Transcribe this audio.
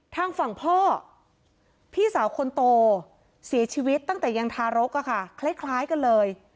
ทางฝั่งพ่อพี่สาวคนโตเสียชีวิตตั้งแต่ยังทารกคล้ายกันเลย